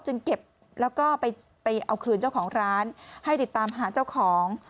เก็บแล้วก็ไปเอาคืนเจ้าของร้านให้ติดตามหาเจ้าของ